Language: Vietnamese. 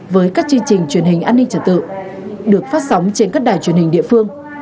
với các chương trình truyền hình an ninh trật tự được phát sóng trên các đài truyền hình địa phương